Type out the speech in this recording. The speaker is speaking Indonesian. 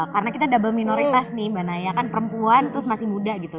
karena kita double minoritas nih mbak naya kan perempuan terus masih muda gitu